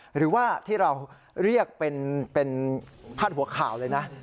หรือว่าที่เราเรียกเป็นพาดหัวข่าวเลยนะ